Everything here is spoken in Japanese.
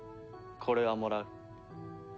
これはもらう。